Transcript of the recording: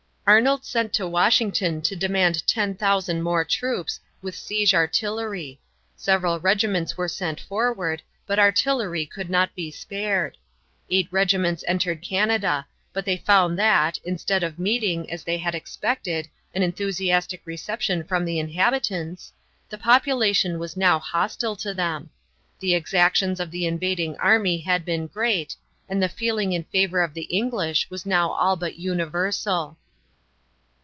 Arnold sent to Washington to demand 10,000 more troops, with siege artillery. Several regiments were sent forward, but artillery could not be spared. Eight regiments entered Canada, but they found that, instead of meeting, as they had expected, an enthusiastic reception from the inhabitants, the population was now hostile to them. The exactions of the invading army had been great, and the feeling in favor of the English was now all but universal.